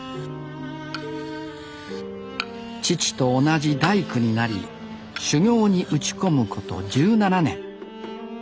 父と同じ大工になり修業に打ち込むこと１７年。